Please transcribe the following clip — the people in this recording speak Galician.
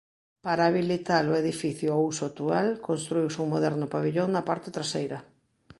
Para habilitar o edificio ao uso actual construíuse un moderno pavillón na parte traseira.